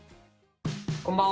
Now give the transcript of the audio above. こんばんは。